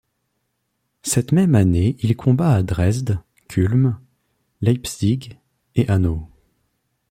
Cette même année il combat à Dresde, Kulm, Leipzig, et Hanau.